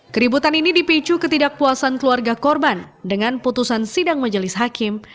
keributan ini dipicu ketidakpuasan keluarga korban dengan putusan sidang majelis hakim